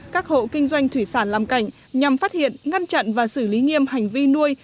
các hộ kinh doanh thủy sản làm cảnh nhằm phát hiện ngăn chặn và xử lý nghiêm hành vi nuôi